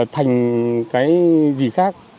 thành cái gì khác